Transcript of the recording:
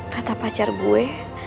kata pacar gue